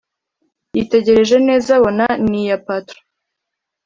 yitegereje neza abona ni iya patron.